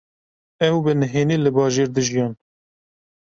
Ew bi nihênî li bajêr dijiyan.